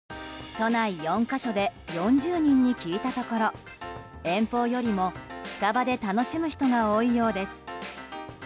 都内４か所で４０人に聞いたところ遠方よりも近場で楽しむ人が多いようです。